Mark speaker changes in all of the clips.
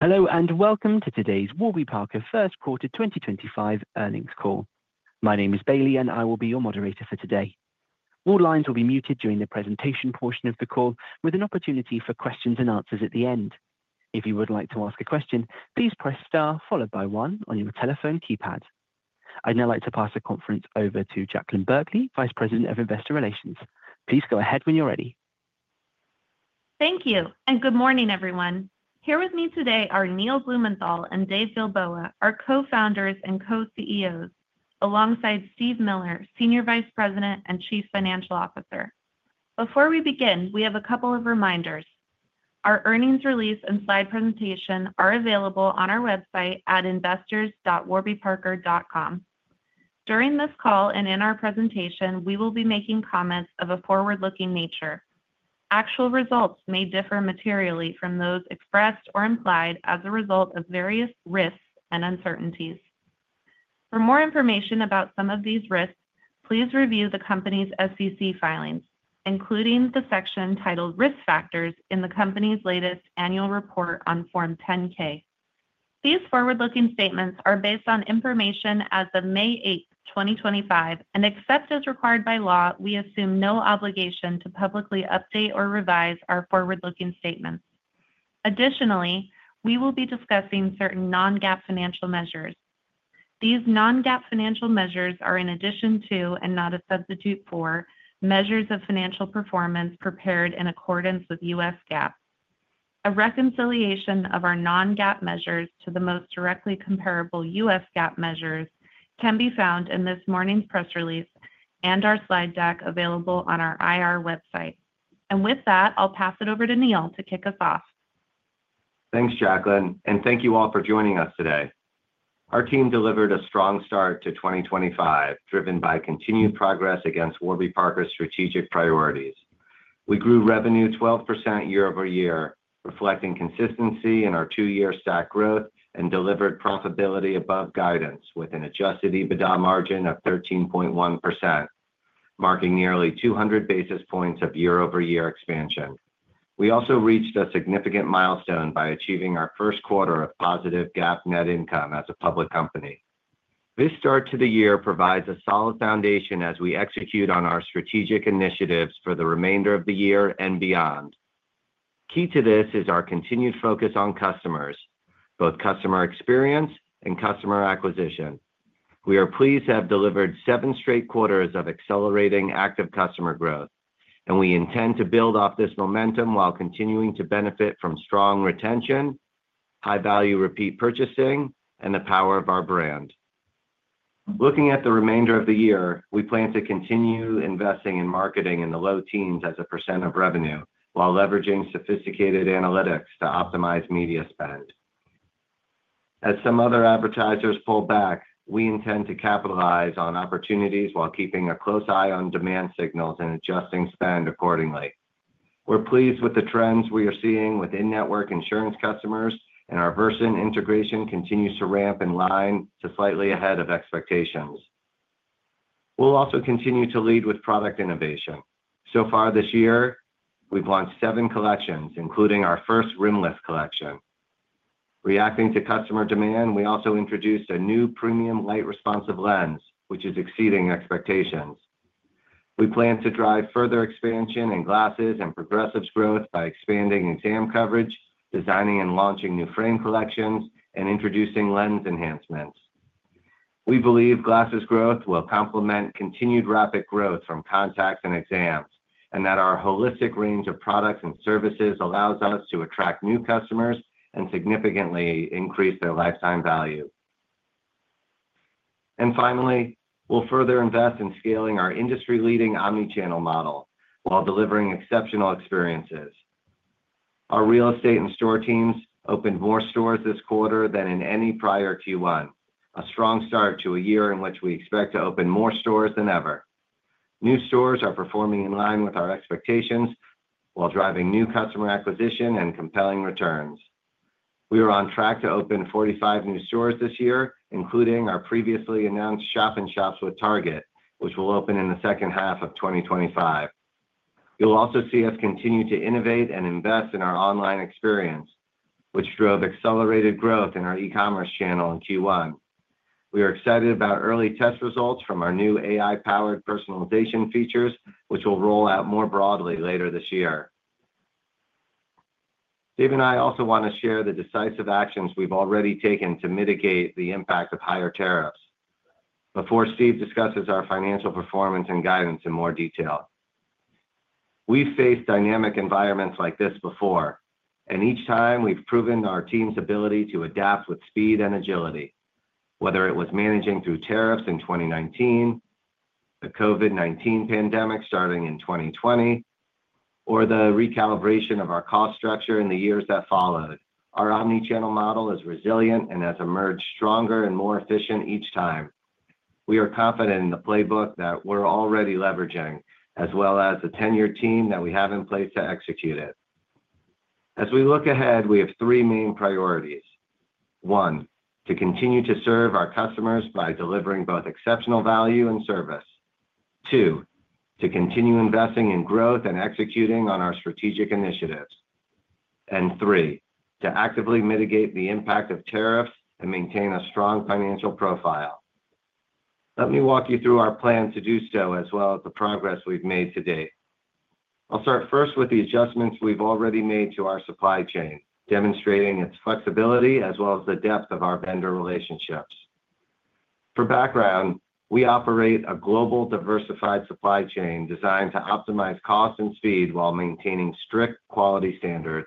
Speaker 1: Hello and welcome to today's Warby Parker First Quarter 2025 earnings call. My name is Bailey and I will be your moderator for today. All lines will be muted during the presentation portion of the call, with an opportunity for questions and answers at the end. If you would like to ask a question, please press star followed by one on your telephone keypad. I'd now like to pass the conference over to Jaclyn Berkley, Vice President of Investor Relations. Please go ahead when you're ready.
Speaker 2: Thank you and good morning, everyone. Here with me today are Neil Blumenthal and Dave Gilboa, our co-founders and co-CEOs, alongside Steve Miller, Senior Vice President and Chief Financial Officer. Before we begin, we have a couple of reminders. Our earnings release and slide presentation are available on our website at investors.warbyparker.com. During this call and in our presentation, we will be making comments of a forward-looking nature. Actual results may differ materially from those expressed or implied as a result of various risks and uncertainties. For more information about some of these risks, please review the company's SEC filings, including the section titled Risk Factors in the company's latest annual report on Form 10-K. These forward-looking statements are based on information as of May 8, 2025, and except as required by law, we assume no obligation to publicly update or revise our forward-looking statements. Additionally, we will be discussing certain non-GAAP financial measures. These non-GAAP financial measures are in addition to, and not a substitute for, measures of financial performance prepared in accordance with U.S. GAAP. A reconciliation of our non-GAAP measures to the most directly comparable U.S. GAAP measures can be found in this morning's press release and our slide deck available on our IR website. With that, I'll pass it over to Neil to kick us off.
Speaker 3: Thanks, Jaclyn, and thank you all for joining us today. Our team delivered a strong start to 2025, driven by continued progress against Warby Parker's strategic priorities. We grew revenue 12% year-over-year, reflecting consistency in our two-year stack growth and delivered profitability above guidance with an adjusted EBITDA margin of 13.1%, marking nearly 200 basis points of year-over-year expansion. We also reached a significant milestone by achieving our first quarter of positive GAAP net income as a public company. This start to the year provides a solid foundation as we execute on our strategic initiatives for the remainder of the year and beyond. Key to this is our continued focus on customers, both customer experience and customer acquisition. We are pleased to have delivered seven straight quarters of accelerating active customer growth, and we intend to build off this momentum while continuing to benefit from strong retention, high-value repeat purchasing, and the power of our brand. Looking at the remainder of the year, we plan to continue investing in marketing in the low teens as a percent of revenue while leveraging sophisticated analytics to optimize media spend. As some other advertisers pull back, we intend to capitalize on opportunities while keeping a close eye on demand signals and adjusting spend accordingly. We're pleased with the trends we are seeing within network insurance customers, and our Versant integration continues to ramp in line to slightly ahead of expectations. We'll also continue to lead with product innovation. So far this year, we've launched seven collections, including our first Rimless collection. Reacting to customer demand, we also introduced a new premium Light Responsive lens, which is exceeding expectations. We plan to drive further expansion in glasses and progressives growth by expanding exam coverage, designing and launching new frame collections, and introducing lens enhancements. We believe glasses' growth will complement continued rapid growth from contacts and exams and that our holistic range of products and services allows us to attract new customers and significantly increase their lifetime value. Finally, we'll further invest in scaling our industry-leading omnichannel model while delivering exceptional experiences. Our real estate and store teams opened more stores this quarter than in any prior Q1, a strong start to a year in which we expect to open more stores than ever. New stores are performing in line with our expectations while driving new customer acquisition and compelling returns. We are on track to open 45 new stores this year, including our previously announced shop-in-shops with Target, which will open in the second half of 2025. You'll also see us continue to innovate and invest in our online experience, which drove accelerated growth in our e-commerce channel in Q1. We are excited about early test results from our new AI-powered personalization features, which will roll out more broadly later this year. Steve and I also want to share the decisive actions we've already taken to mitigate the impact of higher tariffs before Steve discusses our financial performance and guidance in more detail. We've faced dynamic environments like this before, and each time we've proven our team's ability to adapt with speed and agility, whether it was managing through tariffs in 2019, the COVID-19 pandemic starting in 2020, or the recalibration of our cost structure in the years that followed. Our omnichannel model is resilient and has emerged stronger and more efficient each time. We are confident in the playbook that we're already leveraging, as well as the tenured team that we have in place to execute it. As we look ahead, we have three main priorities: one, to continue to serve our customers by delivering both exceptional value and service; two, to continue investing in growth and executing on our strategic initiatives; and three, to actively mitigate the impact of tariffs and maintain a strong financial profile. Let me walk you through our plan to do so, as well as the progress we've made to date. I'll start first with the adjustments we've already made to our supply chain, demonstrating its flexibility as well as the depth of our vendor relationships. For background, we operate a global diversified supply chain designed to optimize cost and speed while maintaining strict quality standards.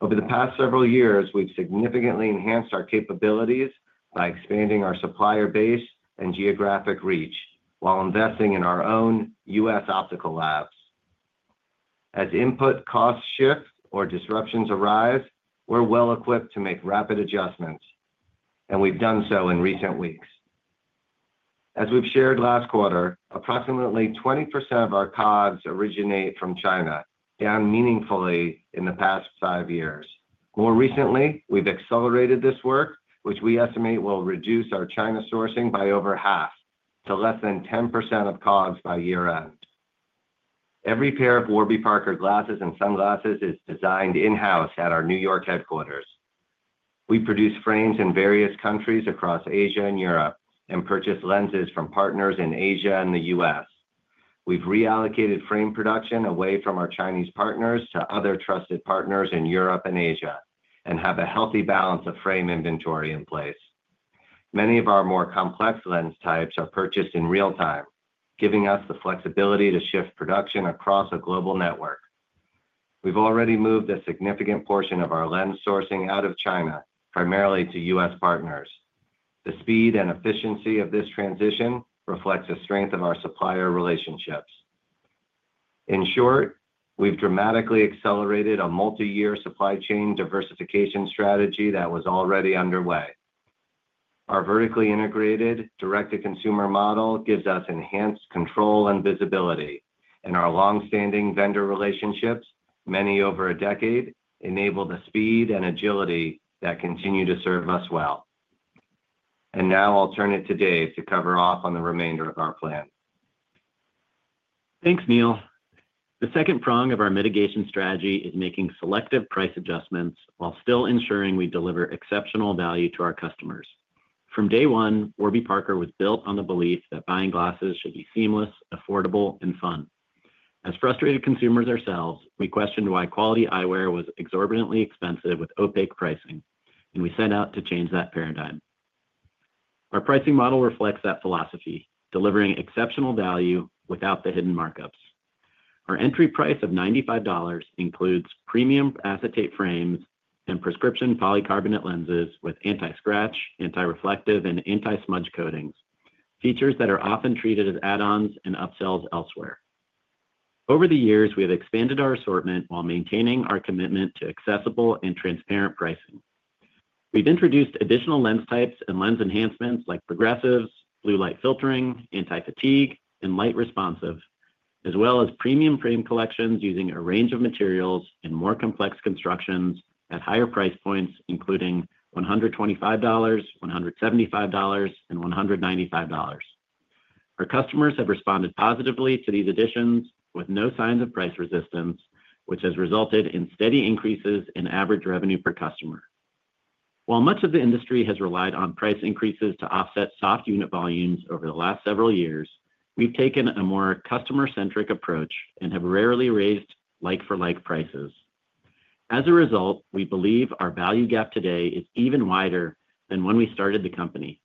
Speaker 3: Over the past several years, we've significantly enhanced our capabilities by expanding our supplier base and geographic reach while investing in our own U.S. optical labs. As input costs shift or disruptions arise, we're well equipped to make rapid adjustments, and we've done so in recent weeks. As we've shared last quarter, approximately 20% of our COGS originate from China, down meaningfully in the past five years. More recently, we've accelerated this work, which we estimate will reduce our China sourcing by over half to less than 10% of COGS by year-end. Every pair of Warby Parker glasses and sunglasses is designed in-house at our New York headquarters. We produce frames in various countries across Asia and Europe and purchase lenses from partners in Asia and the U.S. We've reallocated frame production away from our Chinese partners to other trusted partners in Europe and Asia and have a healthy balance of frame inventory in place. Many of our more complex lens types are purchased in real time, giving us the flexibility to shift production across a global network. We've already moved a significant portion of our lens sourcing out of China, primarily to U.S. partners. The speed and efficiency of this transition reflects the strength of our supplier relationships. In short, we've dramatically accelerated a multi-year supply chain diversification strategy that was already underway. Our vertically integrated direct-to-consumer model gives us enhanced control and visibility, and our long-standing vendor relationships, many over a decade, enable the speed and agility that continue to serve us well. Now I'll turn it to Dave to cover off on the remainder of our plan.
Speaker 4: Thanks, Neil. The second prong of our mitigation strategy is making selective price adjustments while still ensuring we deliver exceptional value to our customers. From day one, Warby Parker was built on the belief that buying glasses should be seamless, affordable, and fun. As frustrated consumers ourselves, we questioned why quality eyewear was exorbitantly expensive with opaque pricing, and we set out to change that paradigm. Our pricing model reflects that philosophy, delivering exceptional value without the hidden markups. Our entry price of $95 includes premium acetate frames and prescription polycarbonate lenses with anti-scratch, anti-reflective, and anti-smudge coatings, features that are often treated as add-ons and upsells elsewhere. Over the years, we have expanded our assortment while maintaining our commitment to accessible and transparent pricing. We've introduced additional lens types and lens enhancements like Progressives, Blue Light Filtering, Anti-Fatigue, and Light Responsive, as well as premium frame collections using a range of materials and more complex constructions at higher price points, including $125, $175, and $195. Our customers have responded positively to these additions with no signs of price resistance, which has resulted in steady increases in average revenue per customer. While much of the industry has relied on price increases to offset soft unit volumes over the last several years, we've taken a more customer-centric approach and have rarely raised like-for-like prices. As a result, we believe our value gap today is even wider than when we started the company.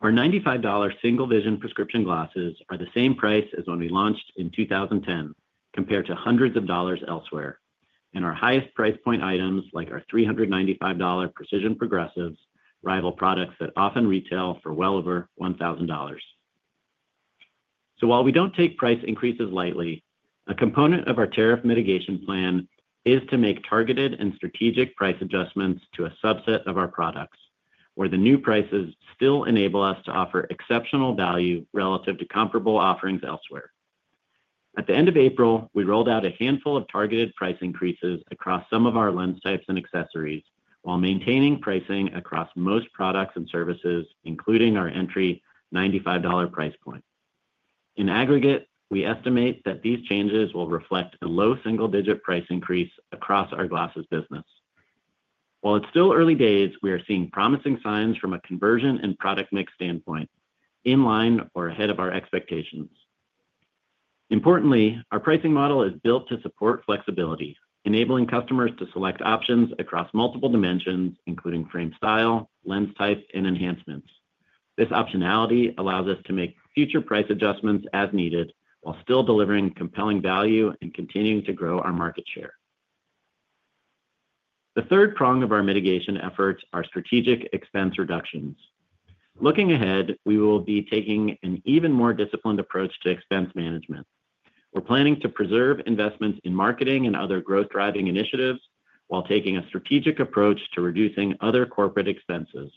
Speaker 4: Our $95 single-vision prescription glasses are the same price as when we launched in 2010, compared to hundreds of dollars elsewhere, and our highest price point items, like our $395 Precision Progressives, rival products that often retail for well over $1,000. While we do not take price increases lightly, a component of our tariff mitigation plan is to make targeted and strategic price adjustments to a subset of our products, where the new prices still enable us to offer exceptional value relative to comparable offerings elsewhere. At the end of April, we rolled out a handful of targeted price increases across some of our lens types and accessories while maintaining pricing across most products and services, including our entry $95 price point. In aggregate, we estimate that these changes will reflect a low single-digit price increase across our glasses business. While it's still early days, we are seeing promising signs from a conversion and product mix standpoint, in line or ahead of our expectations. Importantly, our pricing model is built to support flexibility, enabling customers to select options across multiple dimensions, including frame style, lens type, and enhancements. This optionality allows us to make future price adjustments as needed while still delivering compelling value and continuing to grow our market share. The third prong of our mitigation efforts are strategic expense reductions. Looking ahead, we will be taking an even more disciplined approach to expense management. We're planning to preserve investments in marketing and other growth-driving initiatives while taking a strategic approach to reducing other corporate expenses.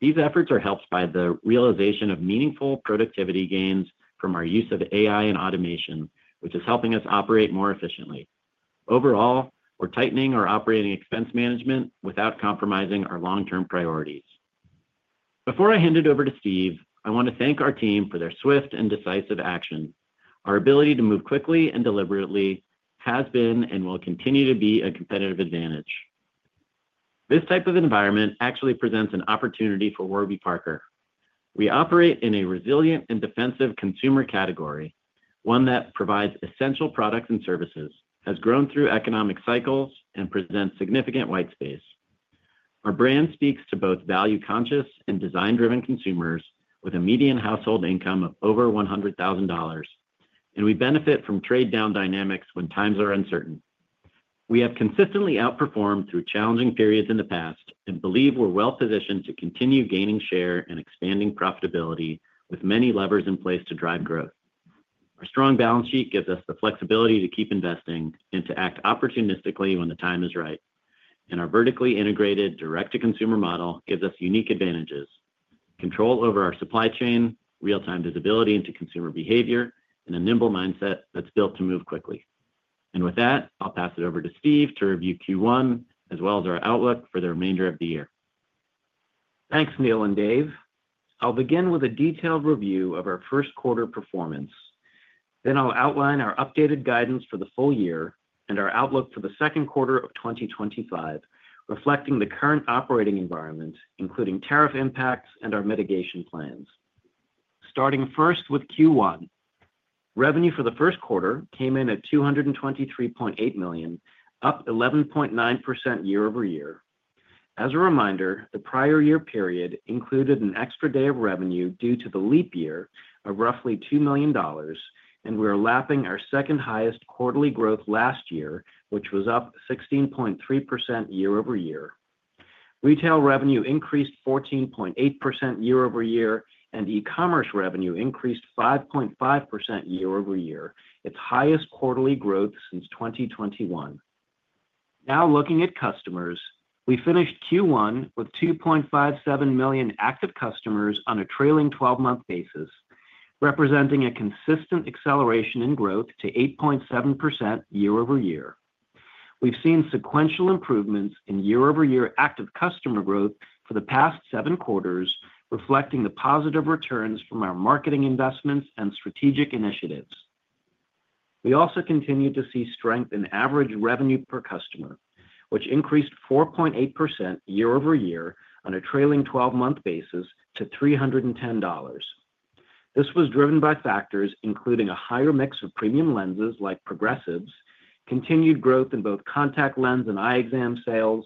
Speaker 4: These efforts are helped by the realization of meaningful productivity gains from our use of AI and automation, which is helping us operate more efficiently. Overall, we're tightening our operating expense management without compromising our long-term priorities. Before I hand it over to Steve, I want to thank our team for their swift and decisive action. Our ability to move quickly and deliberately has been and will continue to be a competitive advantage. This type of environment actually presents an opportunity for Warby Parker. We operate in a resilient and defensive consumer category, one that provides essential products and services, has grown through economic cycles, and presents significant white space. Our brand speaks to both value-conscious and design-driven consumers with a median household income of over $100,000, and we benefit from trade-down dynamics when times are uncertain. We have consistently outperformed through challenging periods in the past and believe we're well-positioned to continue gaining share and expanding profitability with many levers in place to drive growth. Our strong balance sheet gives us the flexibility to keep investing and to act opportunistically when the time is right, and our vertically integrated direct-to-consumer model gives us unique advantages: control over our supply chain, real-time visibility into consumer behavior, and a nimble mindset that's built to move quickly. With that, I'll pass it over to Steve to review Q1, as well as our outlook for the remainder of the year.
Speaker 5: Thanks, Neil and Dave. I'll begin with a detailed review of our first quarter performance. Then I'll outline our updated guidance for the full year and our outlook for the second quarter of 2025, reflecting the current operating environment, including tariff impacts and our mitigation plans. Starting first with Q1, revenue for the first quarter came in at $223.8 million, up 11.9% year-over-year. As a reminder, the prior year period included an extra day of revenue due to the leap year of roughly $2 million, and we are lapping our second-highest quarterly growth last year, which was up 16.3% year-over-year. Retail revenue increased 14.8% year-over-year, and e-commerce revenue increased 5.5% year-over-year, its highest quarterly growth since 2021. Now looking at customers, we finished Q1 with 2.57 million active customers on a trailing 12-month basis, representing a consistent acceleration in growth to 8.7% year-over-year. We've seen sequential improvements in year-over-year active customer growth for the past seven quarters, reflecting the positive returns from our marketing investments and strategic initiatives. We also continue to see strength in average revenue per customer, which increased 4.8% year-over-year on a trailing 12-month basis to $310. This was driven by factors including a higher mix of premium lenses like Progressives, continued growth in both contact lens and eye exam sales,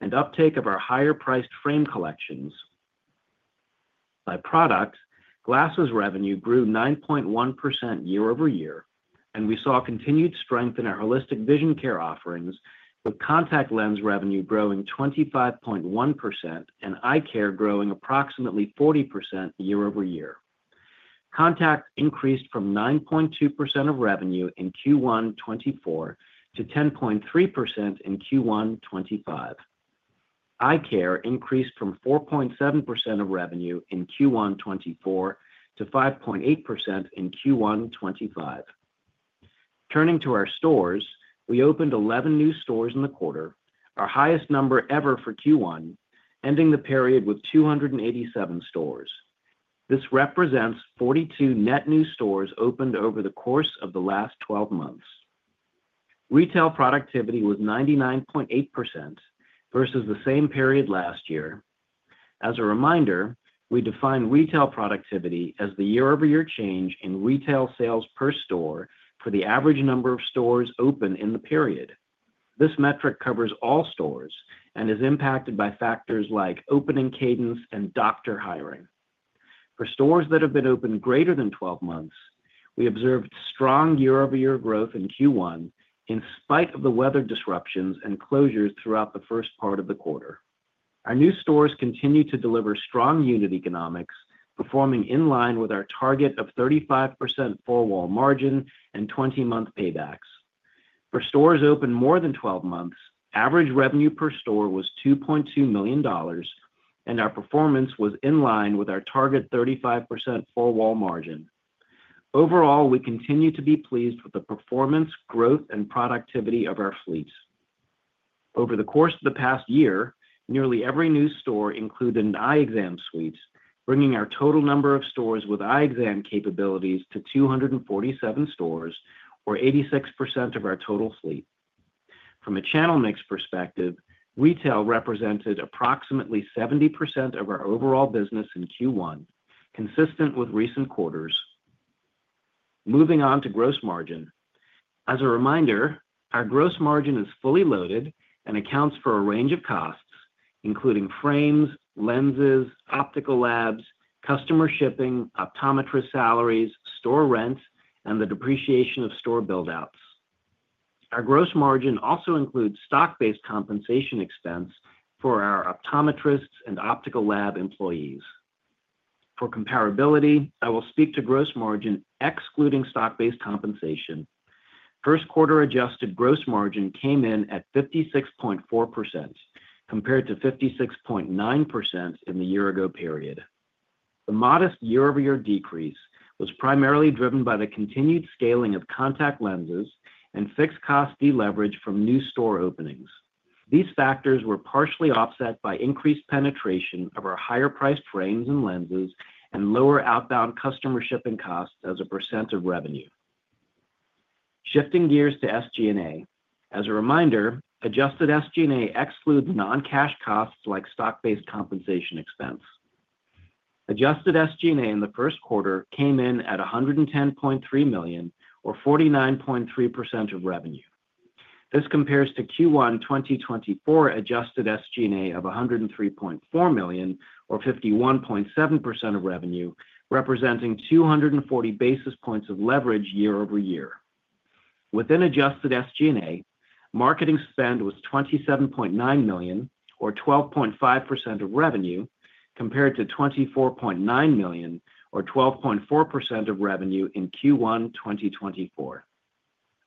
Speaker 5: and uptake of our higher-priced frame collections. By product, glasses revenue grew 9.1% year-over-year, and we saw continued strength in our holistic vision care offerings, with contact lens revenue growing 25.1% and eye care growing approximately 40% year-over-year. Contact increased from 9.2% of revenue in Q1 2024 to 10.3% in Q1 2025. Eye care increased from 4.7% of revenue in Q1 2024 to 5.8% in Q1 2025. Turning to our stores, we opened 11 new stores in the quarter, our highest number ever for Q1, ending the period with 287 stores. This represents 42 net new stores opened over the course of the last 12 months. Retail productivity was 99.8% versus the same period last year. As a reminder, we define retail productivity as the year-over-year change in retail sales per store for the average number of stores opened in the period. This metric covers all stores and is impacted by factors like opening cadence and doctor hiring. For stores that have been opened greater than 12 months, we observed strong year-over-year growth in Q1 in spite of the weather disruptions and closures throughout the first part of the quarter. Our new stores continue to deliver strong unit economics, performing in line with our target of 35% four-wall margin and 20-month paybacks. For stores opened more than 12 months, average revenue per store was $2.2 million, and our performance was in line with our target 35% four-wall margin. Overall, we continue to be pleased with the performance, growth, and productivity of our fleets. Over the course of the past year, nearly every new store included an eye exam suite, bringing our total number of stores with eye exam capabilities to 247 stores, or 86% of our total fleet. From a channel mix perspective, retail represented approximately 70% of our overall business in Q1, consistent with recent quarters. Moving on to gross margin. As a reminder, our gross margin is fully loaded and accounts for a range of costs, including frames, lenses, optical labs, customer shipping, optometrist salaries, store rent, and the depreciation of store buildouts. Our gross margin also includes stock-based compensation expense for our optometrists and optical lab employees. For comparability, I will speak to gross margin excluding stock-based compensation. First-quarter adjusted gross margin came in at 56.4% compared to 56.9% in the year-ago period. The modest year-over-year decrease was primarily driven by the continued scaling of contact lenses and fixed cost deleverage from new store openings. These factors were partially offset by increased penetration of our higher-priced frames and lenses and lower outbound customer shipping costs as a percent of revenue. Shifting gears to SG&A. As a reminder, adjusted SG&A excludes non-cash costs like stock-based compensation expense. Adjusted SG&A in the first quarter came in at $110.3 million, or 49.3% of revenue. This compares to Q1 2024 adjusted SG&A of $103.4 million, or 51.7% of revenue, representing 240 basis points of leverage year-over-year. Within adjusted SG&A, marketing spend was $27.9 million, or 12.5% of revenue, compared to $24.9 million, or 12.4% of revenue in Q1 2024.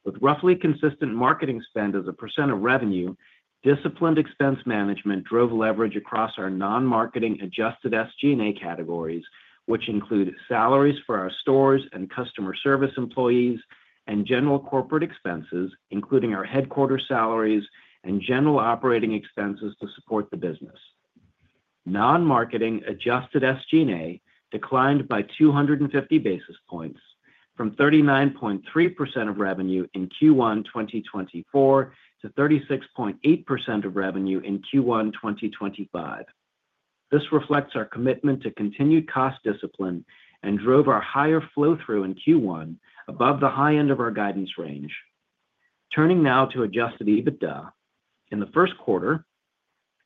Speaker 5: With roughly consistent marketing spend as a percent of revenue, disciplined expense management drove leverage across our non-marketing adjusted SG&A categories, which include salaries for our stores and customer service employees and general corporate expenses, including our headquarter salaries and general operating expenses to support the business. Non-marketing adjusted SG&A declined by 250 basis points, from 39.3% of revenue in Q1 2024 to 36.8% of revenue in Q1 2025. This reflects our commitment to continued cost discipline and drove our higher flow-through in Q1 above the high end of our guidance range. Turning now to adjusted EBITDA. In the first quarter,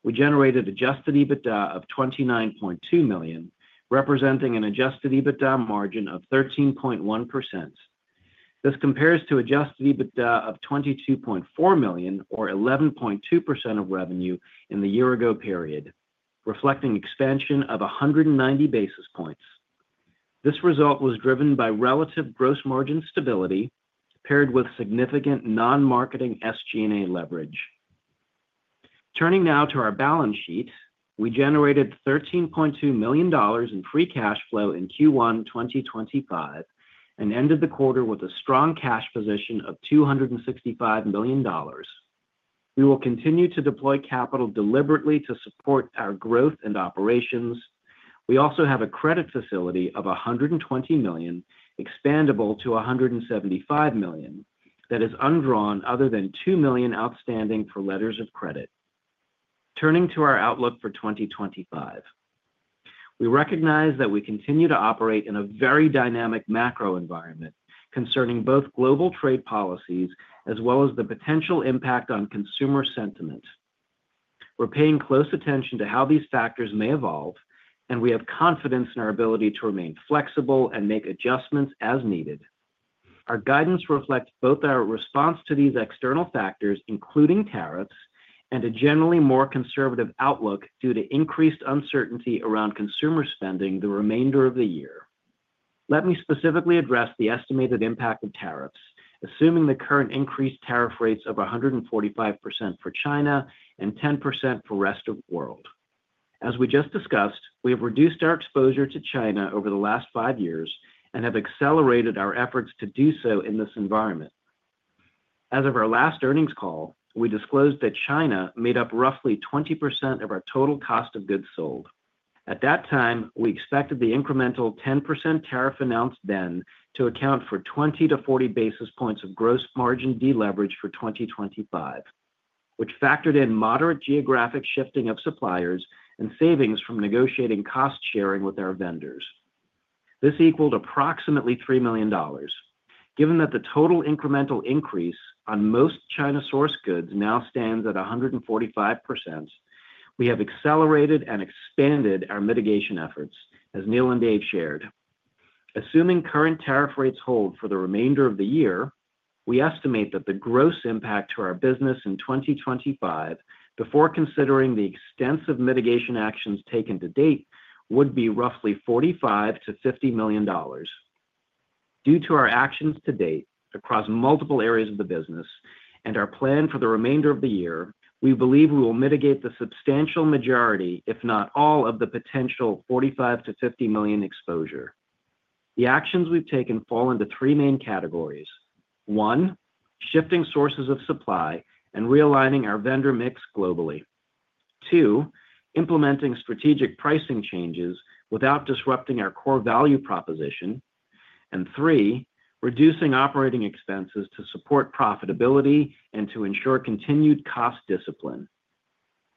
Speaker 5: we generated adjusted EBITDA of $29.2 million, representing an adjusted EBITDA margin of 13.1%. This compares to adjusted EBITDA of $22.4 million, or 11.2% of revenue in the year-ago period, reflecting expansion of 190 basis points. This result was driven by relative gross margin stability paired with significant non-marketing SG&A leverage. Turning now to our balance sheet, we generated $13.2 million in free cash flow in Q1 2025 and ended the quarter with a strong cash position of $265 million. We will continue to deploy capital deliberately to support our growth and operations. We also have a credit facility of $120 million, expandable to $175 million, that is undrawn other than $2 million outstanding for letters of credit. Turning to our outlook for 2025, we recognize that we continue to operate in a very dynamic macro environment concerning both global trade policies as well as the potential impact on consumer sentiment. We're paying close attention to how these factors may evolve, and we have confidence in our ability to remain flexible and make adjustments as needed. Our guidance reflects both our response to these external factors, including tariffs, and a generally more conservative outlook due to increased uncertainty around consumer spending the remainder of the year. Let me specifically address the estimated impact of tariffs, assuming the current increased tariff rates of 145% for China and 10% for the rest of the world. As we just discussed, we have reduced our exposure to China over the last five years and have accelerated our efforts to do so in this environment. As of our last earnings call, we disclosed that China made up roughly 20% of our total cost of goods sold. At that time, we expected the incremental 10% tariff announced then to account for 20 to 40 basis points of gross margin deleverage for 2025, which factored in moderate geographic shifting of suppliers and savings from negotiating cost sharing with our vendors. This equaled approximately $3 million. Given that the total incremental increase on most China-source goods now stands at 145%, we have accelerated and expanded our mitigation efforts, as Neil and Dave shared. Assuming current tariff rates hold for the remainder of the year, we estimate that the gross impact to our business in 2025, before considering the extensive mitigation actions taken to date, would be roughly $45 million-$50 million. Due to our actions to date across multiple areas of the business and our plan for the remainder of the year, we believe we will mitigate the substantial majority, if not all, of the potential $45 million-$50 million exposure. The actions we've taken fall into three main categories: one, shifting sources of supply and realigning our vendor mix globally; two, implementing strategic pricing changes without disrupting our core value proposition; and three, reducing operating expenses to support profitability and to ensure continued cost discipline.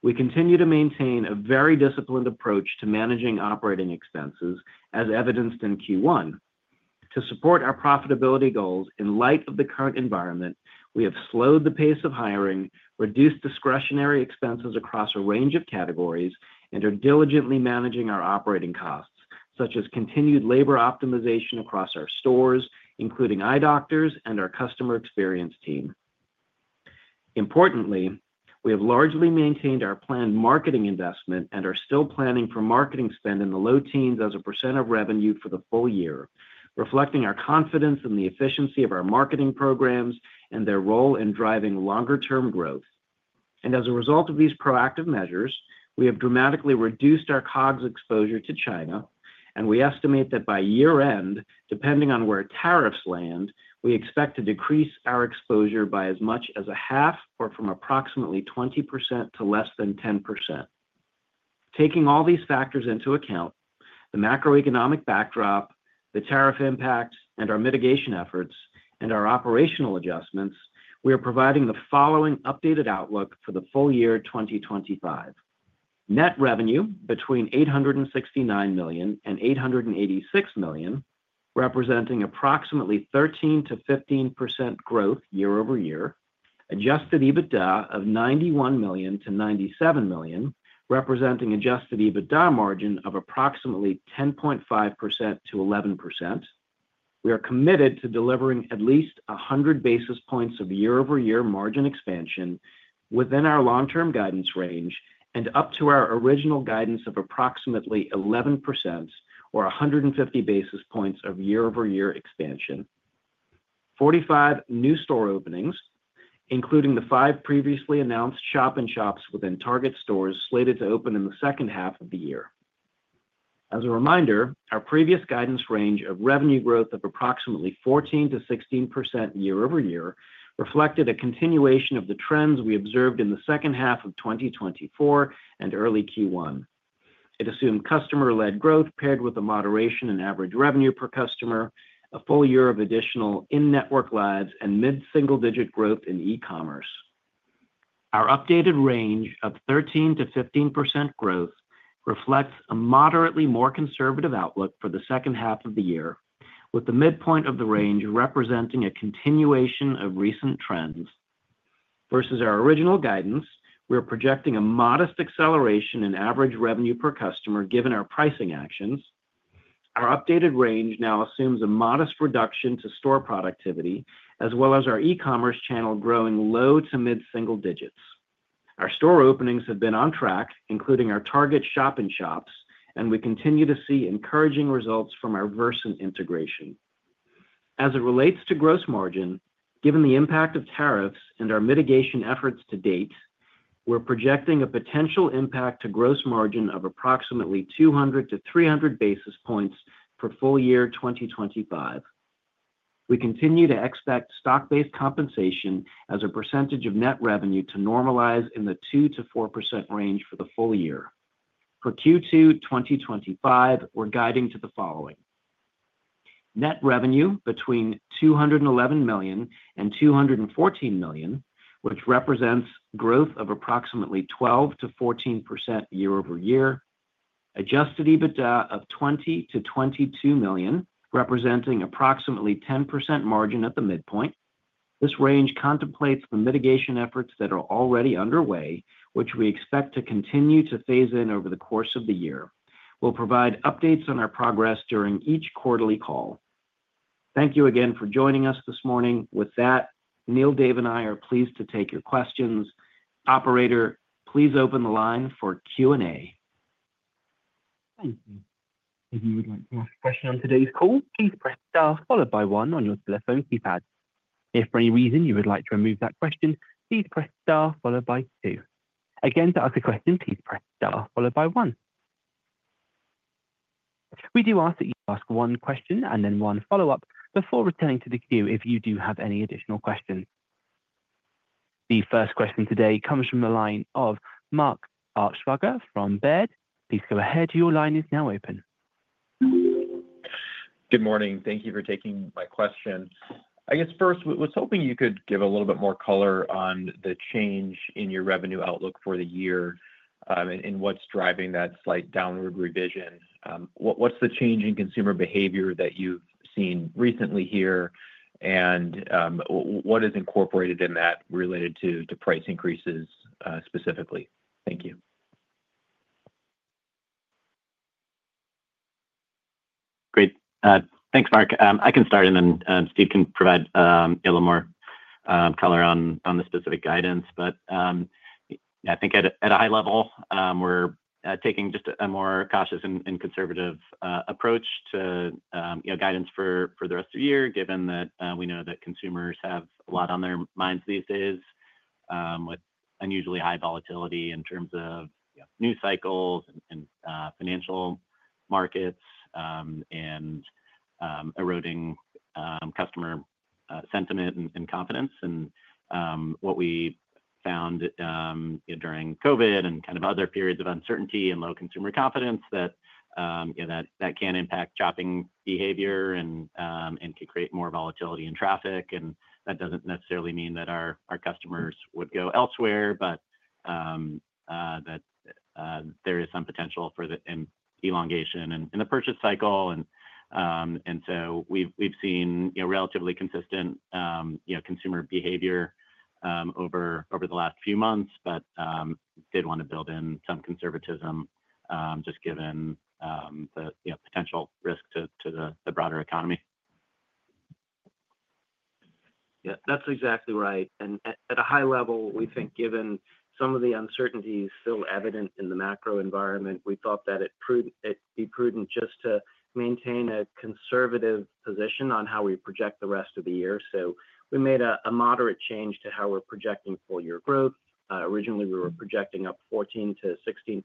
Speaker 5: We continue to maintain a very disciplined approach to managing operating expenses, as evidenced in Q1. To support our profitability goals in light of the current environment, we have slowed the pace of hiring, reduced discretionary expenses across a range of categories, and are diligently managing our operating costs, such as continued labor optimization across our stores, including eye doctors and our customer experience team. Importantly, we have largely maintained our planned marketing investment and are still planning for marketing spend in the low teens as a % of revenue for the full year, reflecting our confidence in the efficiency of our marketing programs and their role in driving longer-term growth. As a result of these proactive measures, we have dramatically reduced our COGS exposure to China, and we estimate that by year-end, depending on where tariffs land, we expect to decrease our exposure by as much as a half or from approximately 20% to less than 10%. Taking all these factors into account, the macroeconomic backdrop, the tariff impacts, and our mitigation efforts, and our operational adjustments, we are providing the following updated outlook for the full year 2025: net revenue between $869 million and $886 million, representing approximately 13%-15% growth year-over-year. Adjusted EBITDA of $91 million-$97 million, representing adjusted EBITDA margin of approximately 10.5%-11%. We are committed to delivering at least 100 basis points of year-over-year margin expansion within our long-term guidance range and up to our original guidance of approximately 11% or 150 basis points of year-over-year expansion. 45 new store openings, including the five previously announced shop-in-shops within Target stores slated to open in the second half of the year. As a reminder, our previous guidance range of revenue growth of approximately 14-16% year-over-year reflected a continuation of the trends we observed in the second half of 2024 and early Q1. It assumed customer-led growth paired with a moderation in average revenue per customer, a full year of additional in-network labs, and mid-single-digit growth in e-commerce. Our updated range of 13-15% growth reflects a moderately more conservative outlook for the second half of the year, with the midpoint of the range representing a continuation of recent trends. Versus our original guidance, we are projecting a modest acceleration in average revenue per customer given our pricing actions. Our updated range now assumes a modest reduction to store productivity, as well as our e-commerce channel growing low to mid-single digits. Our store openings have been on track, including our Target shop-in-shops, and we continue to see encouraging results from our Versant integration. As it relates to gross margin, given the impact of tariffs and our mitigation efforts to date, we're projecting a potential impact to gross margin of approximately 200 to 300 basis points for full year 2025. We continue to expect stock-based compensation as a percentage of net revenue to normalize in the 2-4% range for the full year. For Q2 2025, we're guiding to the following: net revenue between $211 million and $214 million, which represents growth of approximately 12-14% year-over-year; adjusted EBITDA of $20-$22 million, representing approximately 10% margin at the midpoint. This range contemplates the mitigation efforts that are already underway, which we expect to continue to phase in over the course of the year. We'll provide updates on our progress during each quarterly call. Thank you again for joining us this morning. With that, Neil, Dave, and I are pleased to take your questions. Operator, please open the line for Q&A.
Speaker 1: Thank you. If you would like to ask a question on today's call, please press STAR, followed by 1, on your telephone keypad. If for any reason you would like to remove that question, please press STAR, followed by 2. Again, to ask a question, please press STAR, followed by 1. We do ask that you ask one question and then one follow-up before returning to the queue if you do have any additional questions. The first question today comes from the line of Mark Altschwager from Baird. Please go ahead. Your line is now open.
Speaker 6: Good morning. Thank you for taking my question. I guess first, I was hoping you could give a little bit more color on the change in your revenue outlook for the year and what's driving that slight downward revision. What's the change in consumer behavior that you've seen recently here, and what is incorporated in that related to price increases specifically? Thank you.
Speaker 4: Great. Thanks, Mark. I can start, and then Steve can provide a little more color on the specific guidance. I think at a high level, we're taking just a more cautious and conservative approach to guidance for the rest of the year, given that we know that consumers have a lot on their minds these days with unusually high volatility in terms of news cycles and financial markets and eroding customer sentiment and confidence. What we found during COVID and kind of other periods of uncertainty and low consumer confidence is that that can impact shopping behavior and can create more volatility in traffic. That does not necessarily mean that our customers would go elsewhere, but there is some potential for elongation in the purchase cycle. We have seen relatively consistent consumer behavior over the last few months, but did want to build in some conservatism just given the potential risk to the broader economy.
Speaker 5: Yeah, that's exactly right. At a high level, we think given some of the uncertainties still evident in the macro environment, we thought that it would be prudent just to maintain a conservative position on how we project the rest of the year. We made a moderate change to how we are projecting full-year growth. Originally, we were projecting up 14-16%.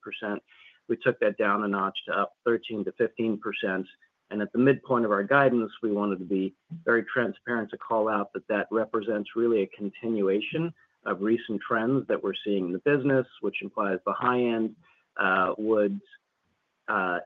Speaker 5: We took that down a notch to up 13-15%. At the midpoint of our guidance, we wanted to be very transparent to call out that that represents really a continuation of recent trends that we're seeing in the business, which implies the high end would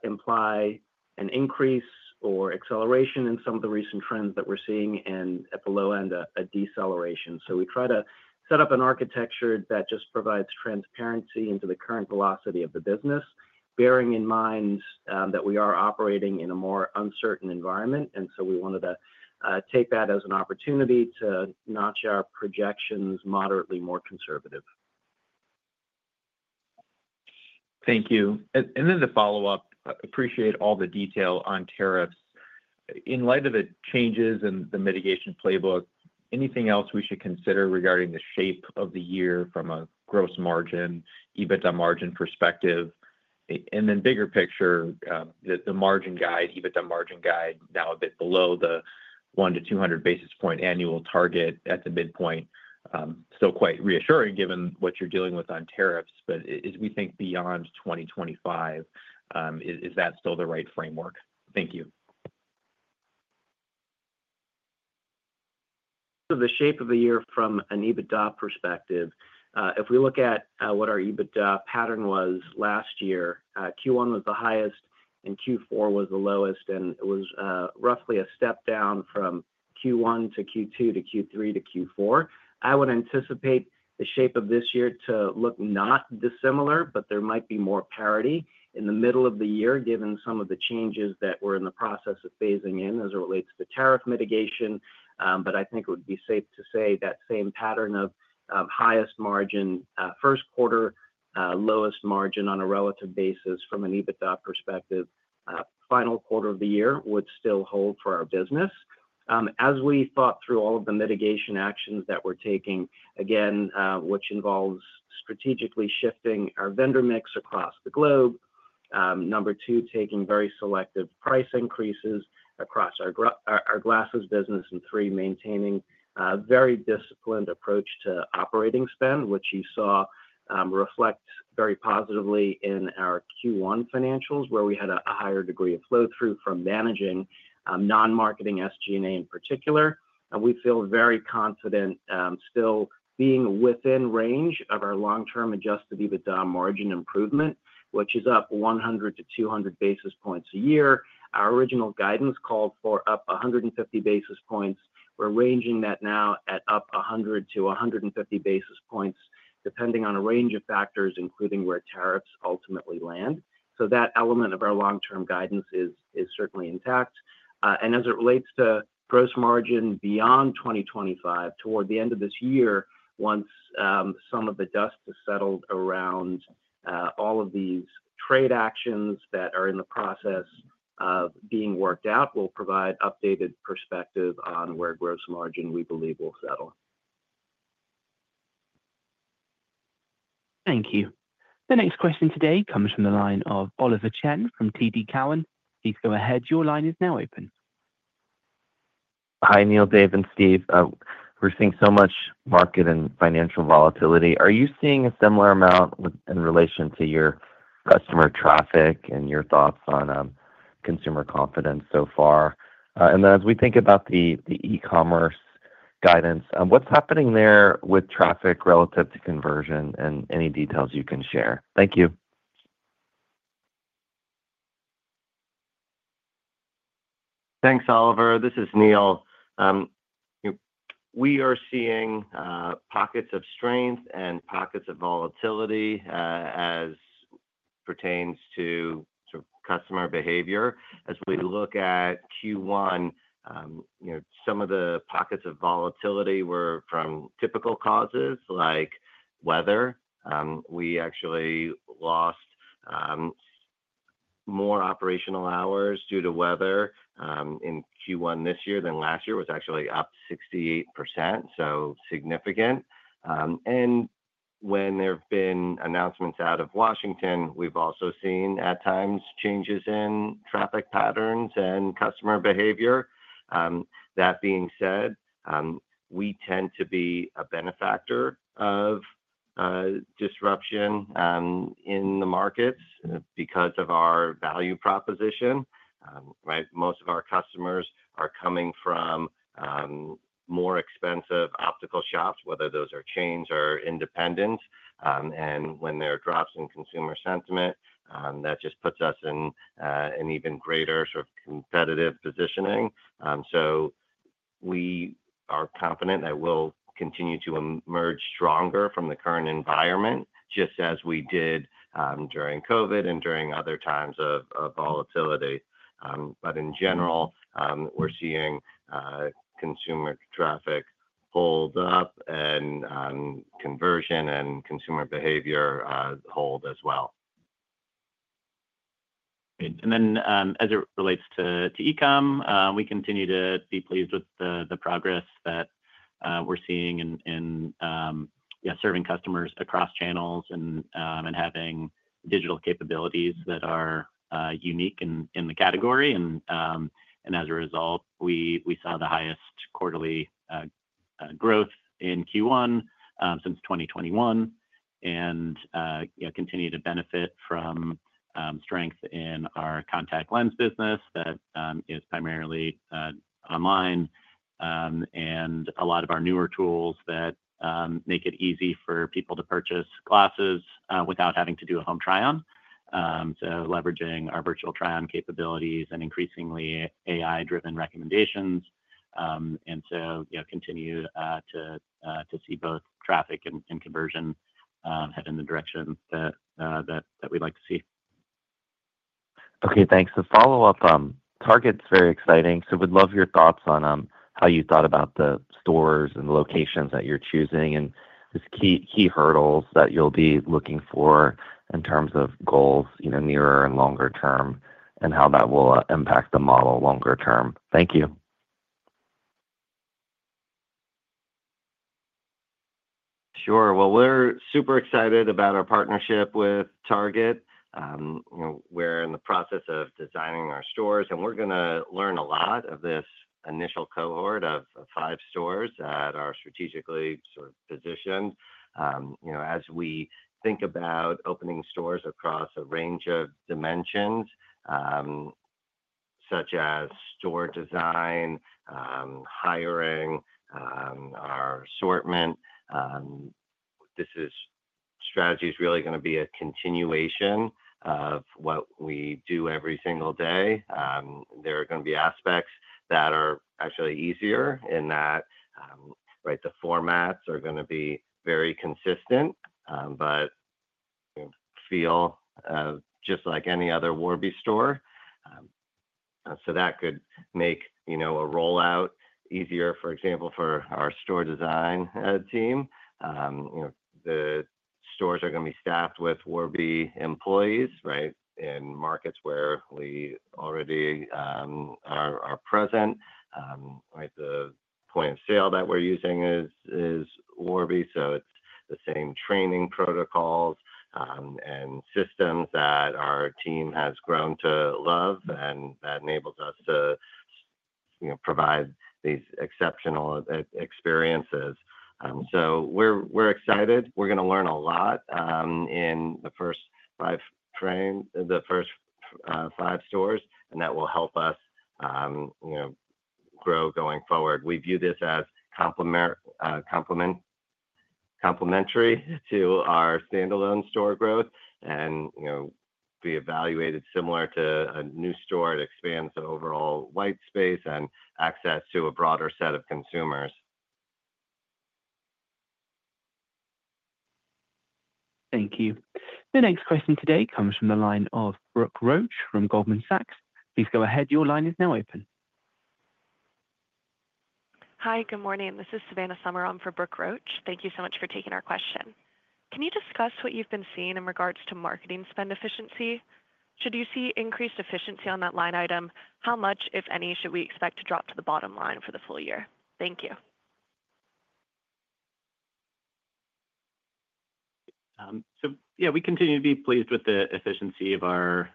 Speaker 5: imply an increase or acceleration in some of the recent trends that we're seeing, and at the low end, a deceleration. We try to set up an architecture that just provides transparency into the current velocity of the business, bearing in mind that we are operating in a more uncertain environment. We wanted to take that as an opportunity to notch our projections moderately more conservative.
Speaker 6: Thank you. To follow up, I appreciate all the detail on tariffs. In light of the changes in the mitigation playbook, anything else we should consider regarding the shape of the year from a gross margin, EBITDA margin perspective? And then bigger picture, the margin guide, EBITDA margin guide, now a bit below the 100 basis point to 200 basis point annual target at the midpoint, still quite reassuring given what you're dealing with on tariffs. But as we think beyond 2025, is that still the right framework? Thank you.
Speaker 5: The shape of the year from an EBITDA perspective, if we look at what our EBITDA pattern was last year, Q1 was the highest and Q4 was the lowest, and it was roughly a step down from Q1 to Q2 to Q3 to Q4. I would anticipate the shape of this year to look not dissimilar, but there might be more parity in the middle of the year, given some of the changes that we're in the process of phasing in as it relates to tariff mitigation. I think it would be safe to say that same pattern of highest margin first quarter, lowest margin on a relative basis from an EBITDA perspective, final quarter of the year would still hold for our business. As we thought through all of the mitigation actions that we're taking, again, which involves strategically shifting our vendor mix across the globe, number two, taking very selective price increases across our glasses business, and three, maintaining a very disciplined approach to operating spend, which you saw reflect very positively in our Q1 financials, where we had a higher degree of flow-through from managing non-marketing SG&A in particular. We feel very confident still being within range of our long-term adjusted EBITDA margin improvement, which is up 100 basis point to 200 basis points a year. Our original guidance called for up 150 basis points. We're ranging that now at up 100 basis points to 150 basis points, depending on a range of factors, including where tariffs ultimately land. That element of our long-term guidance is certainly intact. As it relates to gross margin beyond 2025, toward the end of this year, once some of the dust has settled around all of these trade actions that are in the process of being worked out, we'll provide updated perspective on where gross margin we believe will settle.
Speaker 1: Thank you. The next question today comes from the line of Oliver Chen from TD Cowen. Please go ahead. Your line is now open.
Speaker 7: Hi, Neil, Dave, and Steve. We're seeing so much market and financial volatility. Are you seeing a similar amount in relation to your customer traffic and your thoughts on consumer confidence so far? As we think about the e-commerce guidance, what's happening there with traffic relative to conversion and any details you can share? Thank you.
Speaker 3: Thanks, Oliver. This is Neil. We are seeing pockets of strength and pockets of volatility as pertains to customer behavior. As we look at Q1, some of the pockets of volatility were from typical causes like weather. We actually lost more operational hours due to weather in Q1 this year than last year, which was actually up 68%, so significant. When there have been announcements out of Washington, we've also seen at times changes in traffic patterns and customer behavior. That being said, we tend to be a benefactor of disruption in the markets because of our value proposition. Most of our customers are coming from more expensive optical shops, whether those are chains or independents. When there are drops in consumer sentiment, that just puts us in an even greater sort of competitive positioning. We are confident that we'll continue to emerge stronger from the current environment, just as we did during COVID and during other times of volatility. In general, we're seeing consumer traffic hold up and conversion and consumer behavior hold as well.
Speaker 4: As it relates to e-com, we continue to be pleased with the progress that we're seeing in serving customers across channels and having digital capabilities that are unique in the category. As a result, we saw the highest quarterly growth in Q1 since 2021 and continue to benefit from strength in our contact lens business that is primarily online and a lot of our newer tools that make it easy for people to purchase glasses without having to do a home try-on. Leveraging our virtual try-on capabilities and increasingly AI-driven recommendations, we continue to see both traffic and conversion head in the direction that we'd like to see.
Speaker 7: Okay. Thanks. The follow-up, Target's very exciting. We'd love your thoughts on how you thought about the stores and the locations that you're choosing and the key hurdles that you'll be looking for in terms of goals nearer and longer term and how that will impact the model longer term. Thank you.
Speaker 3: Sure. We're super excited about our partnership with Target. We're in the process of designing our stores, and we're going to learn a lot from this initial cohort of five stores that are strategically sort of positioned. As we think about opening stores across a range of dimensions, such as store design, hiring, our assortment, this strategy is really going to be a continuation of what we do every single day. There are going to be aspects that are actually easier in that the formats are going to be very consistent, but feel just like any other Warby store. That could make a rollout easier, for example, for our store design team. The stores are going to be staffed with Warby employees in markets where we already are present. The point of sale that we're using is Warby, so it's the same training protocols and systems that our team has grown to love, and that enables us to provide these exceptional experiences. We are excited. We are going to learn a lot in the first five stores, and that will help us grow going forward. We view this as complementary to our standalone store growth and be evaluated similar to a new store that expands the overall white space and access to a broader set of consumers.
Speaker 1: Thank you. The next question today comes from the line of Brooke Roach from Goldman Sachs. Please go ahead. Your line is now open.
Speaker 8: Hi, good morning. This is Savannah Sommer on for Brooke Roach. Thank you so much for taking our question. Can you discuss what you've been seeing in regards to marketing spend efficiency? Should you see increased efficiency on that line item, how much, if any, should we expect to drop to the bottom line for the full year? Thank you.
Speaker 4: Yeah, we continue to be pleased with the efficiency of our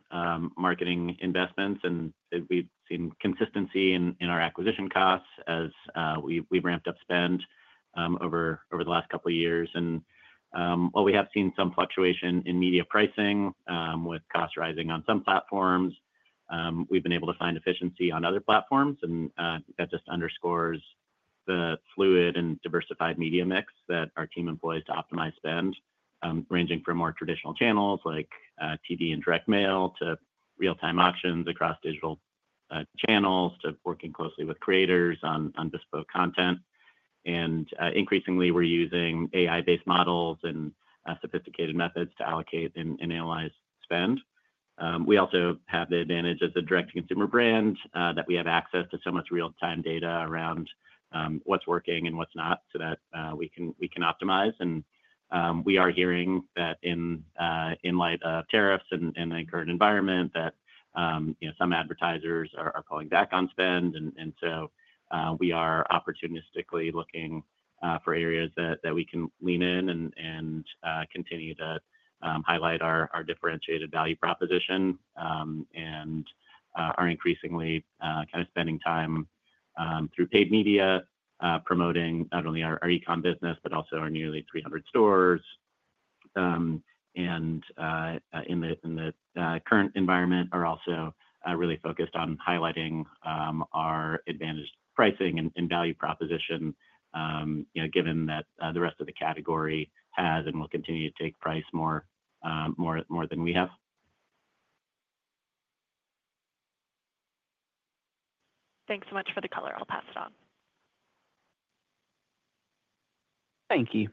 Speaker 4: marketing investments, and we've seen consistency in our acquisition costs as we've ramped up spend over the last couple of years. While we have seen some fluctuation in media pricing with costs rising on some platforms, we've been able to find efficiency on other platforms. That just underscores the fluid and diversified media mix that our team employs to optimize spend, ranging from more traditional channels like TV and direct mail to real-time auctions across digital channels to working closely with creators on bespoke content. Increasingly, we're using AI-based models and sophisticated methods to allocate and analyze spend. We also have the advantage as a direct-to-consumer brand that we have access to so much real-time data around what's working and what's not so that we can optimize. We are hearing that in light of tariffs and the current environment, some advertisers are pulling back on spend. We are opportunistically looking for areas that we can lean in and continue to highlight our differentiated value proposition and are increasingly kind of spending time through paid media promoting not only our e-com business, but also our nearly 300 stores. In the current environment, we are also really focused on highlighting our advantaged pricing and value proposition, given that the rest of the category has and will continue to take price more than we have.
Speaker 8: Thanks so much for the color. I'll pass it on.
Speaker 1: Thank you.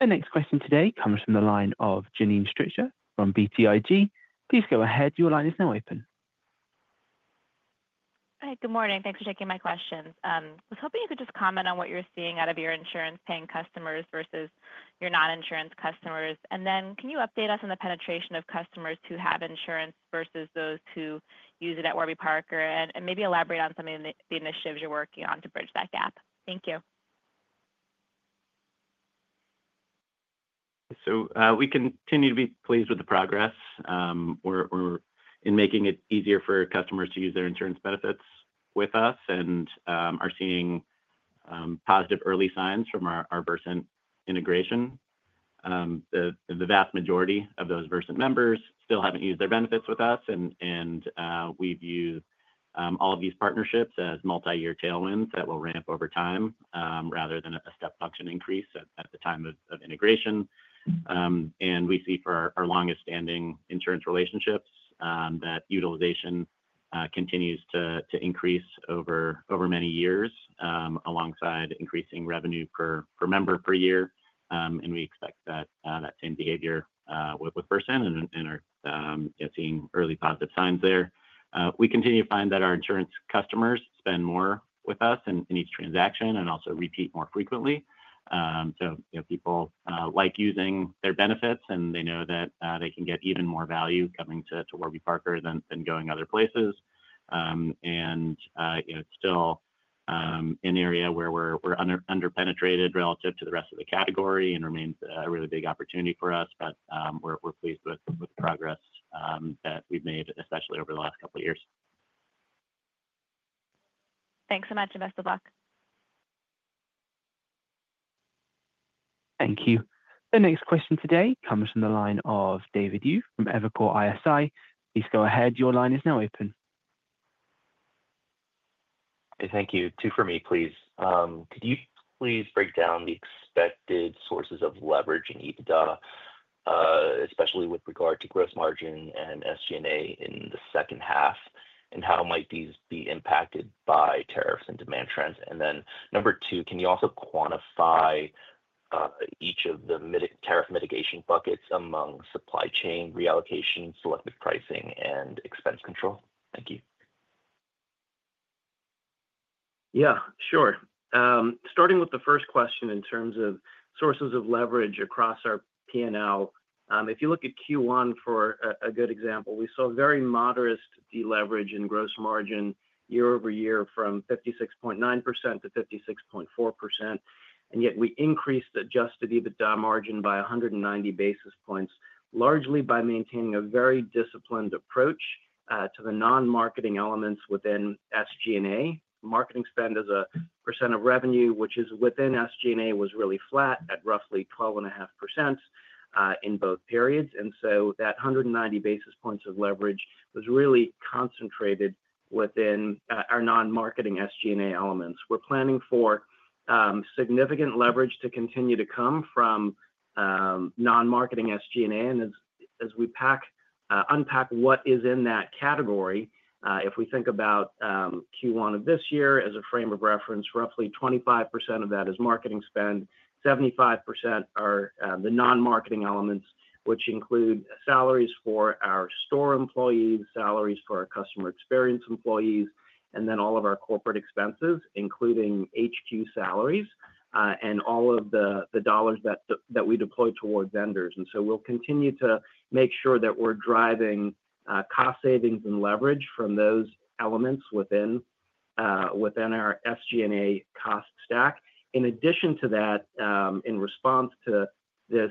Speaker 1: The next question today comes from the line of Janine Stichter from BTIG. Please go ahead. Your line is now open.
Speaker 9: Hi, good morning. Thanks for taking my questions. I was hoping you could just comment on what you're seeing out of your insurance-paying customers versus your non-insurance customers. Can you update us on the penetration of customers who have insurance versus those who use it at Warby Parker and maybe elaborate on some of the initiatives you're working on to bridge that gap? Thank you.
Speaker 4: We continue to be pleased with the progress we're making in making it easier for customers to use their insurance benefits with us and are seeing positive early signs from our Versant integration. The vast majority of those Versant members still haven't used their benefits with us. We have used all of these partnerships as multi-year tailwinds that will ramp over time rather than a step function increase at the time of integration. We see for our longest-standing insurance relationships that utilization continues to increase over many years alongside increasing revenue per member per year. We expect that same behavior with Versant and are seeing early positive signs there. We continue to find that our insurance customers spend more with us in each transaction and also repeat more frequently. People like using their benefits, and they know that they can get even more value coming to Warby Parker than going other places. It is still an area where we are under-penetrated relative to the rest of the category and remains a really big opportunity for us. We are pleased with the progress that we have made, especially over the last couple of years.
Speaker 9: Thanks so much and best of luck.
Speaker 1: Thank you. The next question today comes from the line of David Yu from Evercore ISI. Please go ahead. Your line is now open.
Speaker 10: Thank you. Two for me, please. Could you please break down the expected sources of leverage in EBITDA, especially with regard to gross margin and SG&A in the second half, and how might these be impacted by tariffs and demand trends? Number two, can you also quantify each of the tariff mitigation buckets among supply chain reallocation, selective pricing, and expense control? Thank you.
Speaker 5: Yeah, sure. Starting with the first question in terms of sources of leverage across our P&L, if you look at Q1 for a good example, we saw very moderate deleverage in gross margin year over year from 56.9% to 56.4%. Yet we increased adjusted EBITDA margin by 190 basis points, largely by maintaining a very disciplined approach to the non-marketing elements within SG&A. Marketing spend as a percent of revenue, which is within SG&A, was really flat at roughly 12.5% in both periods. That 190 basis points of leverage was really concentrated within our non-marketing SG&A elements. We are planning for significant leverage to continue to come from non-marketing SG&A. As we unpack what is in that category, if we think about Q1 of this year as a frame of reference, roughly 25% of that is marketing spend. 75% are the non-marketing elements, which include salaries for our store employees, salaries for our customer experience employees, and then all of our corporate expenses, including HQ salaries and all of the dollars that we deploy toward vendors. We will continue to make sure that we are driving cost savings and leverage from those elements within our SG&A cost stack. In addition to that, in response to this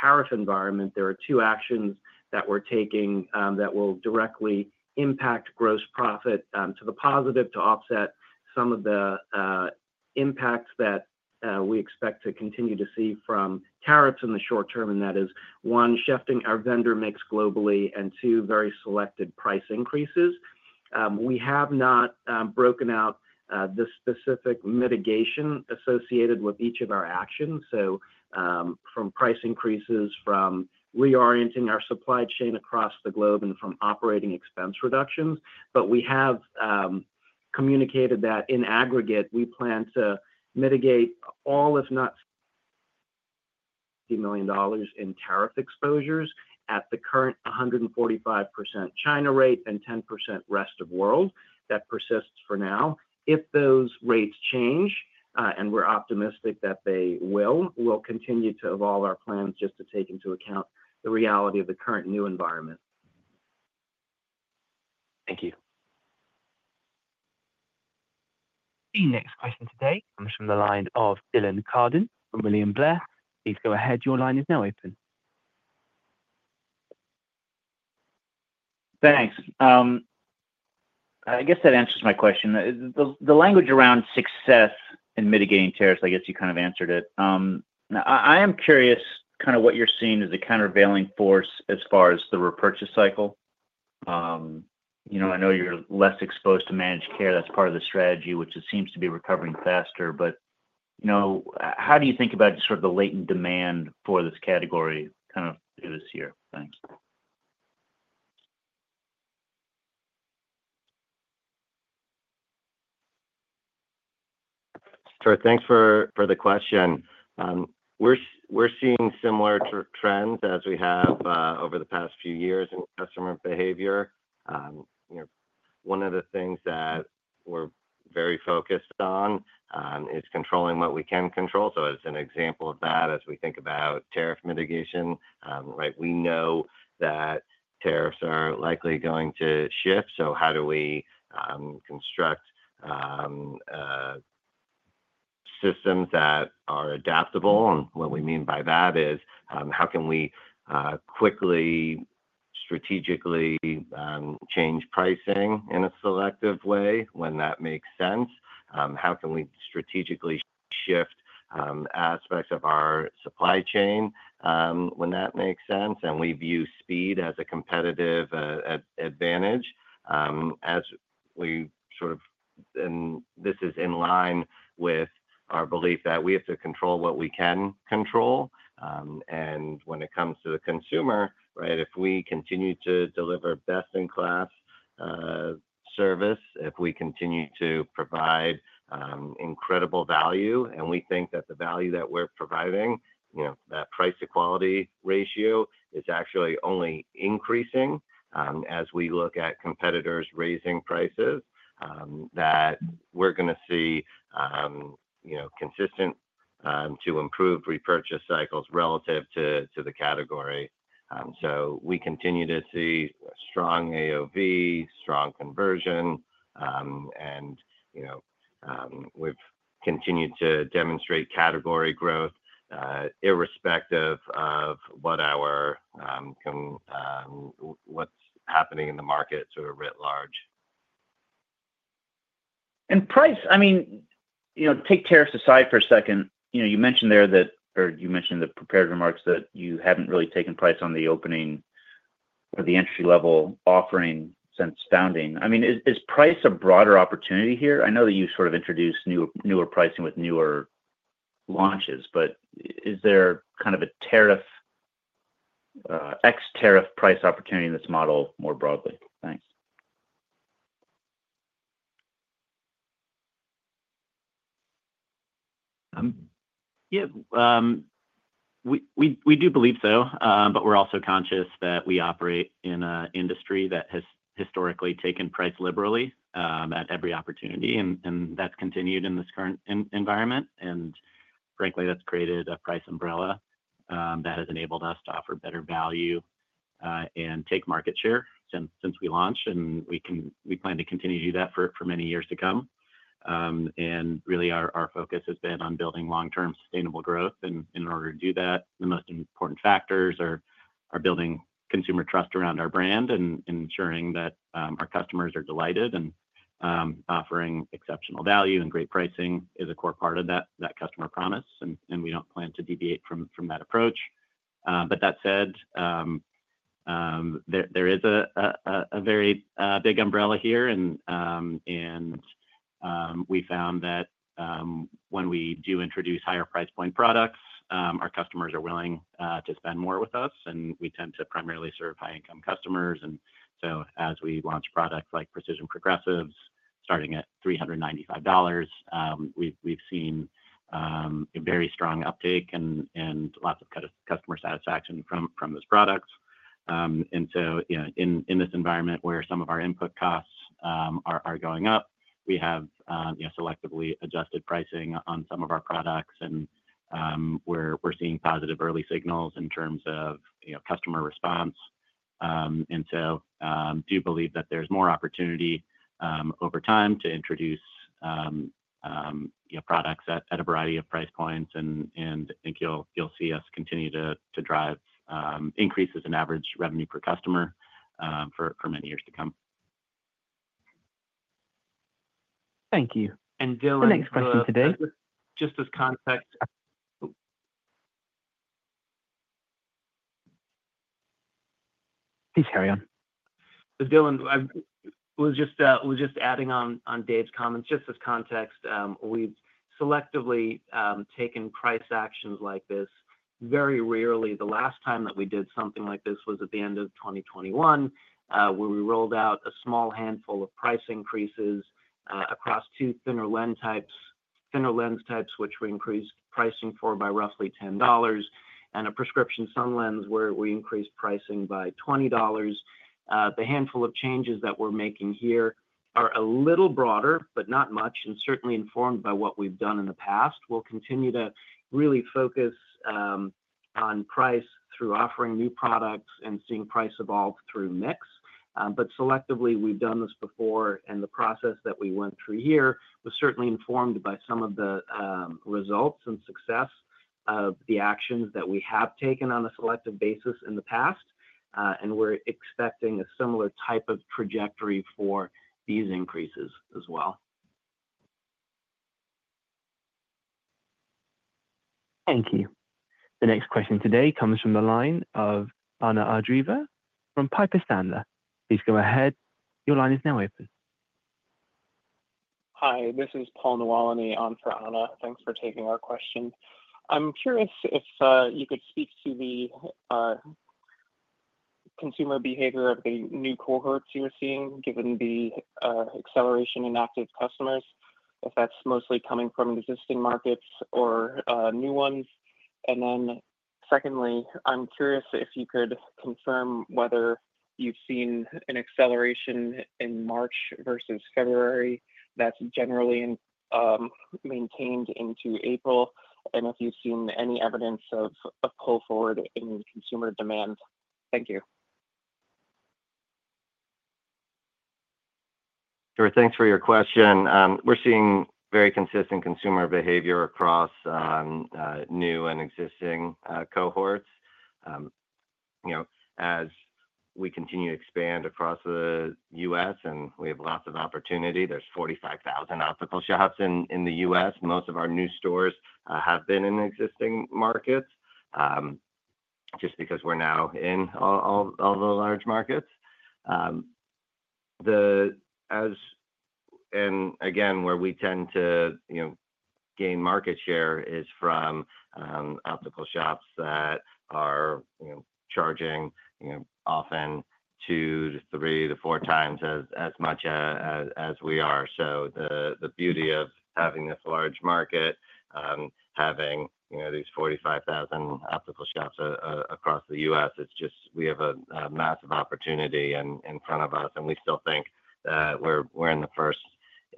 Speaker 5: tariff environment, there are two actions that we are taking that will directly impact gross profit to the positive to offset some of the impacts that we expect to continue to see from tariffs in the short term. That is, one, shifting our vendor mix globally, and two, very selected price increases. We have not broken out the specific mitigation associated with each of our actions, from price increases, from reorienting our supply chain across the globe, and from operating expense reductions. We have communicated that in aggregate, we plan to mitigate all, if not $50 million in tariff exposures at the current 145% China rate and 10% rest of world that persists for now. If those rates change, and we're optimistic that they will, we'll continue to evolve our plans just to take into account the reality of the current new environment.
Speaker 10: Thank you.
Speaker 1: The next question today comes from the line of Dylan Carden from William Blair. Please go ahead. Your line is now open.
Speaker 11: Thanks. I guess that answers my question. The language around success in mitigating tariffs, I guess you kind of answered it. I am curious kind of what you're seeing as the countervailing force as far as the repurchase cycle. I know you're less exposed to managed care. That's part of the strategy, which seems to be recovering faster. How do you think about sort of the latent demand for this category kind of through this year? Thanks.
Speaker 3: Sure. Thanks for the question. We're seeing similar trends as we have over the past few years in customer behavior. One of the things that we're very focused on is controlling what we can control. As an example of that, as we think about tariff mitigation, we know that tariffs are likely going to shift. How do we construct systems that are adaptable? What we mean by that is how can we quickly, strategically change pricing in a selective way when that makes sense? How can we strategically shift aspects of our supply chain when that makes sense? We view speed as a competitive advantage as we sort of, and this is in line with our belief that we have to control what we can control. When it comes to the consumer, if we continue to deliver best-in-class service, if we continue to provide incredible value, and we think that the value that we're providing, that price-to-quality ratio, is actually only increasing as we look at competitors raising prices, we're going to see consistent to improved repurchase cycles relative to the category. We continue to see strong AOV, strong conversion, and we've continued to demonstrate category growth irrespective of what's happening in the markets or writ large.
Speaker 11: Price, I mean, take tariffs aside for a second. You mentioned there, or you mentioned in the prepared remarks that you haven't really taken price on the opening or the entry-level offering since founding. I mean, is price a broader opportunity here? I know that you sort of introduced newer pricing with newer launches, but is there kind of an ex-tariff price opportunity in this model more broadly? Thanks.
Speaker 4: Yeah. We do believe so, but we're also conscious that we operate in an industry that has historically taken price liberally at every opportunity, and that has continued in this current environment. Frankly, that has created a price umbrella that has enabled us to offer better value and take market share since we launched, and we plan to continue to do that for many years to come. Really, our focus has been on building long-term sustainable growth. In order to do that, the most important factors are building consumer trust around our brand and ensuring that our customers are delighted. Offering exceptional value and great pricing is a core part of that customer promise, and we do not plan to deviate from that approach. That said, there is a very big umbrella here, and we found that when we do introduce higher price point products, our customers are willing to spend more with us, and we tend to primarily serve high-income customers. As we launch products like Precision Progressives starting at $395, we have seen very strong uptake and lots of customer satisfaction from those products. In this environment where some of our input costs are going up, we have selectively adjusted pricing on some of our products, and we are seeing positive early signals in terms of customer response. I do believe that there's more opportunity over time to introduce products at a variety of price points, and I think you'll see us continue to drive increases in average revenue per customer for many years to come.
Speaker 5: Thank you. Dylan, question today. Just as context. Please carry on. Dylan, I was just adding on Dave's comments. Just as context, we've selectively taken price actions like this very rarely. The last time that we did something like this was at the end of 2021, where we rolled out a small handful of price increases across two thinner lens types, which we increased pricing for by roughly $10, and a prescription sunglasses where we increased pricing by $20. The handful of changes that we're making here are a little broader, but not much, and certainly informed by what we've done in the past. We'll continue to really focus on price through offering new products and seeing price evolve through mix. But selectively, we've done this before, and the process that we went through here was certainly informed by some of the results and success of the actions that we have taken on a selective basis in the past. We're expecting a similar type of trajectory for these increases as well.
Speaker 1: Thank you. The next question today comes from the line of Anna Andreeva from Piper Sandler. Please go ahead. Your line is now open.
Speaker 12: Hi. This is Paul Nawalany on for Anna. Thanks for taking our question. I'm curious if you could speak to the consumer behavior of the new cohorts you're seeing, given the acceleration in active customers, if that's mostly coming from existing markets or new ones. Secondly, I'm curious if you could confirm whether you've seen an acceleration in March versus February that's generally maintained into April, and if you've seen any evidence of a pull forward in consumer demand. Thank you.
Speaker 3: Sure. Thanks for your question. We're seeing very consistent consumer behavior across new and existing cohorts. As we continue to expand across the U.S., and we have lots of opportunity, there's 45,000 optical shops in the U.S. Most of our new stores have been in existing markets just because we're now in all the large markets. Where we tend to gain market share is from optical shops that are charging often two, three, to four times as much as we are. The beauty of having this large market, having these 45,000 optical shops across the U.S., is just we have a massive opportunity in front of us, and we still think that we're in the first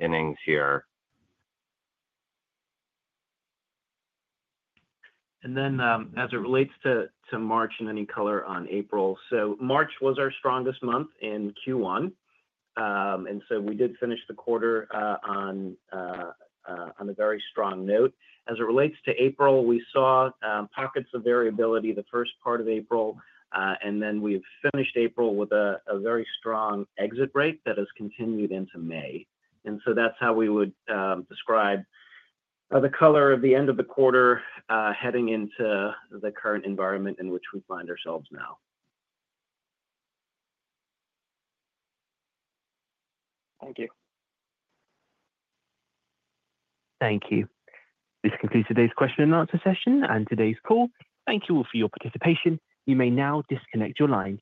Speaker 3: innings here.
Speaker 5: As it relates to March and any color on April, March was our strongest month in Q1. We did finish the quarter on a very strong note. As it relates to April, we saw pockets of variability the first part of April, and then we finished April with a very strong exit rate that has continued into May. That is how we would describe the color of the end of the quarter heading into the current environment in which we find ourselves now.
Speaker 12: Thank you.
Speaker 1: Thank you. This concludes today's question and answer session and today's call. Thank you all for your participation. You may now disconnect your line.